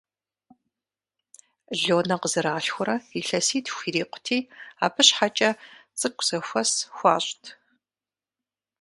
Лонэ къызэралъхурэ илъэситху ирикъути, абы щхьэкӀэ цӀыкӀу зэхуэс хуащӀт.